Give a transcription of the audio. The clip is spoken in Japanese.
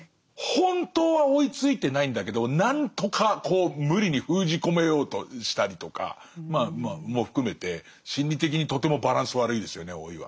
本当は追いついてないんだけど何とかこう無理に封じ込めようとしたりとかまあまあも含めて心理的にとてもバランス悪いですよね老いは。